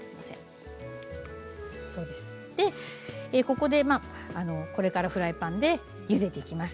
これからフライパンでゆでていきます。